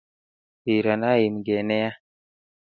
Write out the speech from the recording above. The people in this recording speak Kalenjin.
Kiran aimgee nea